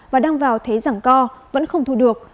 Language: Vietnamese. và đang vào thế rằng co vẫn không thu được